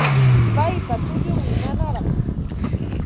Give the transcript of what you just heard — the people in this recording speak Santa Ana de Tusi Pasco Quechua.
Paypa tullunmi nanarqan